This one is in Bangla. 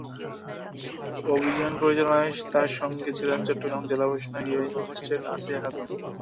অভিযান পরিচালনায় তাঁর সঙ্গে ছিলেন চট্টগ্রাম জেলা প্রশাসনের নির্বাহী ম্যাজিস্ট্রেট আছিয়া খাতুন।